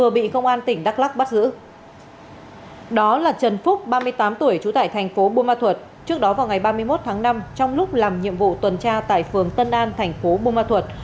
bông ma thuật trước đó vào ngày ba mươi một tháng năm trong lúc làm nhiệm vụ tuần tra tại phường tân an thành phố bông ma thuật